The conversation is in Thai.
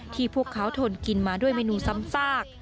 พวกเขาทนกินมาด้วยเมนูซ้ำซาก